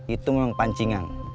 itu memang pancingan